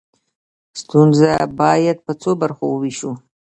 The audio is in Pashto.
ستونزه باید په څو برخو وویشو.